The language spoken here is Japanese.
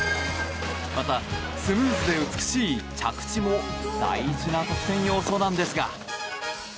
また、スムーズで美しい着地も大事な得点要素なんですが。